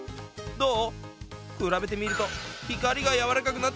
どう？